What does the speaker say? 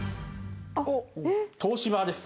東芝です。